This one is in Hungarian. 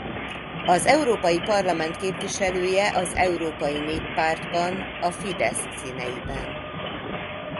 Az Európai Parlament képviselője az Európai Néppártban a Fidesz színeiben.